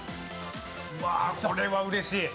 これはうれしい！